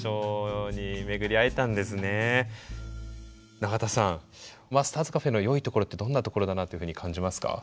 永田さんマスターズＣａｆｅのよいところってどんなところだなというふうに感じますか？